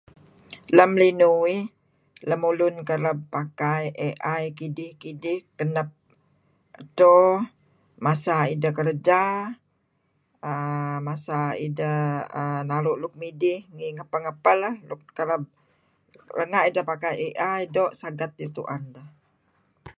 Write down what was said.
Lem linuh uih, lemulun kereb pakai AI kidih-kidih kenep edto kenep masa ideh kerja, masa ideh naru' nuk midih ngi apeh-ngepeh. Renga' ideh pakai AI doo' asget dih tu'en.